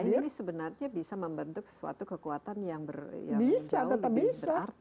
negara yang lain ini sebenarnya bisa membentuk suatu kekuatan yang jauh lebih berarti